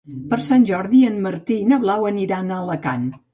Per Sant Jordi en Martí i na Blau aniran a Alacant.